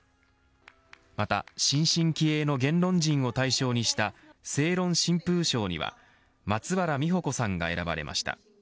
また新進気鋭の言論人を対象にした正論新風賞には松原実穂子さんが選ばれました。